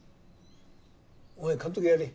お前監督やれ。